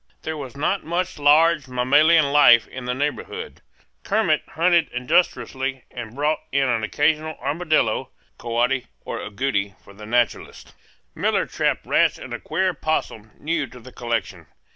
There was not much large mammalian life in the neighborhood. Kermit hunted industriously and brought in an occasional armadillo, coati, or agouti for the naturalists. Miller trapped rats and a queer opossum new to the collection.